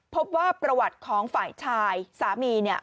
พบว่าประวัติของฝ่ายชายสามีเนี่ย